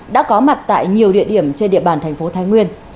đã có mặt tại nhiều địa điểm trên địa bàn tp thái nguyên